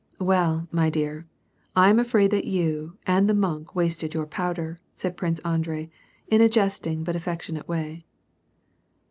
" Well, my dear, I am afraid that you and the monk wasted your powder,'^ said Prince Andrei, in a jesting but affectionate ▼ay.